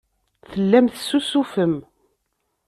Tellam tessusufem.